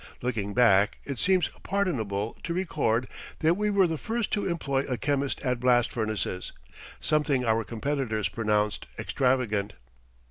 Looking back it seems pardonable to record that we were the first to employ a chemist at blast furnaces something our competitors pronounced extravagant.